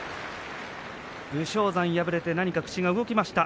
武将山、敗れて何か口が動きました。